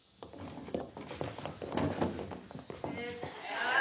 ああ！